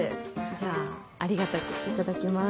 じゃあありがたく頂きます。